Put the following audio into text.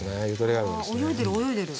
あ泳いでる泳いでる。